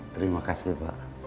terima kasih pak